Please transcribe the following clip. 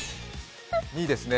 ２位ですね